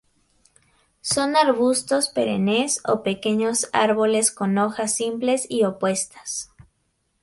Son arbustos perennes o pequeños árboles con hojas simples y opuestas.